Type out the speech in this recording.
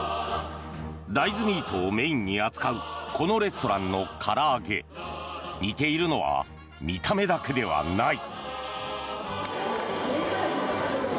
大豆ミートをメインに扱うこのレストランのから揚げ似ているのは見た目だけではない。